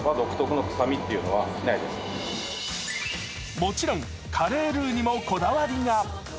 もちろん、カレールーにもこだわりが。